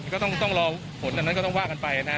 ก็ต้องรอผลอันนั้นก็ต้องว่ากันไปนะครับ